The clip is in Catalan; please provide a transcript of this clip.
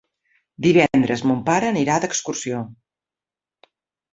Divendres mon pare anirà d'excursió.